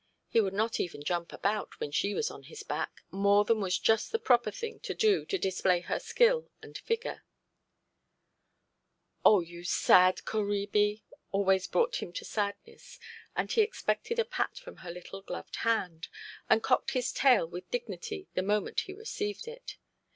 He would not even jump about, when she was on his back, more than was just the proper thing to display her skill and figure. "Oh, you sad Coræby", always brought him to sadness; and he expected a pat from her little gloved hand, and cocked his tail with dignity the moment he received it.